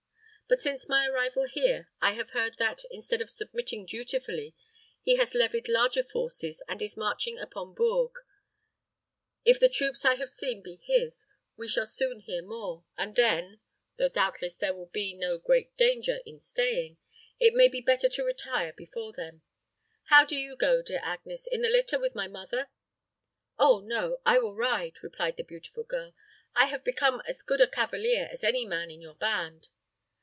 But since my arrival here, I have heard that, instead of submitting dutifully, he has levied larger forces, and is marching upon Bourges. If the troops I have seen be his, we shall soon hear more, and then though doubtless there would be no great danger in staying it may be better to retire before them. How do you go, dear Agnes? In the litter with my mother?" "Oh, no; I will ride," replied the beautiful girl. "I have become as good a cavalier as any man in your band."